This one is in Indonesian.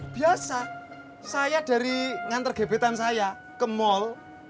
biasa saya dari nganter gebetan saya ke mal